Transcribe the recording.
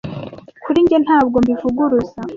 kuri njye ntabwo mbivuguruza